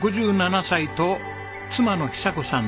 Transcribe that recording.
６７歳と妻の寿子さん